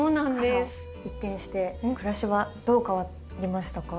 から一転して暮らしはどう変わりましたか？